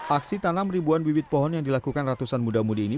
aksi tanam ribuan bibit pohon yang dilakukan ratusan muda mudi ini